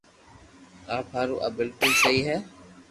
آپ ھارو آ بلڪول سھھي ھي